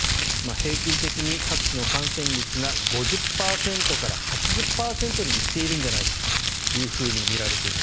平均的に各地の感染率が５０％から８０％にいっているんじゃないかとみられています。